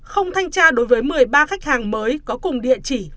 không thanh tra đối với một mươi ba khách hàng mới có cùng địa chỉ